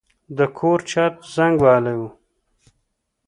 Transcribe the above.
د کور چت زنګ وهلی و.